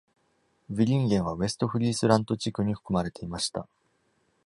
ヴィリンゲンはウェスト＝フリースラント地区に含まれていました。